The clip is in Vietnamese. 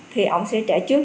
thì ông sẽ trả trước